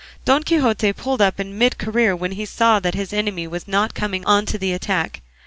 Don Quixote pulled up in mid career when he saw that his enemy was not coming on to the attack.